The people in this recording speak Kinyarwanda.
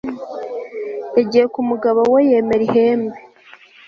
yagiye ku mugabo we yemera ihembe